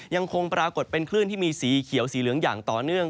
ยังคงปรากฏเป็นคลื่นที่มีสีเขียวสีเหลืองอย่างต่อเนื่อง